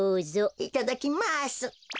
いただきます。